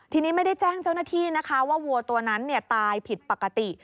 ทีนี้ไม่ได้แจ้งเจ้าหน้าที่นะคะว่าวัวตัวนั้นตายผิดปกติ